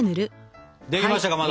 できましたかまど。